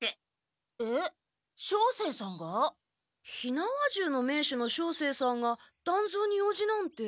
火縄銃の名手の照星さんが団蔵に用事なんて。